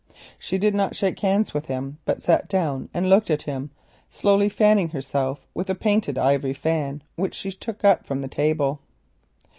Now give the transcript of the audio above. She did not shake hands with him, but sat down and looked at him, slowly fanning herself with a painted ivory fan which she took up from the table.